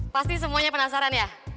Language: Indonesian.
pasti semuanya penasaran ya